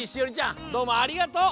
どうもありがとう。